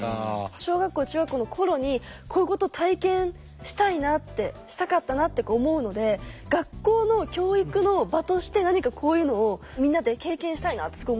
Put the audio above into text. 小学校中学校の頃にこういうこと体験したいなってしたかったなって思うので学校の教育の場として何かこういうのをみんなで経験したいなってすごい思いましたね。